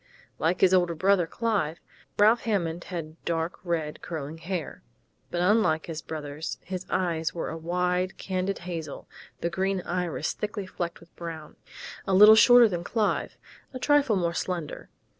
Like his older brother, Clive, Ralph Hammond had dark red, curling hair. But unlike his brother's, his eyes were a wide, candid hazel the green iris thickly flecked with brown. A little shorter than Clive, a trifle more slender.